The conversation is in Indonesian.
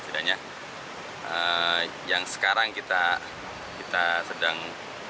sedangkan yang sekarang kita sedang